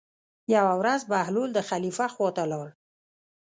یوه ورځ بهلول د خلیفه خواته لاړ.